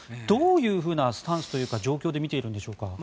どういうふうなスタンスというか状況で見ているんでしょうか。